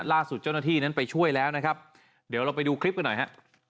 ล่าสุดเจ้าหน้าที่นั้นไปช่วยแล้วนะครับเดี๋ยวเราไปดูคลิปกันหน่อยฮะ